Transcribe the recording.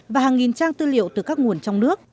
và hàng nghìn trang tư liệu từ các nguồn trong nước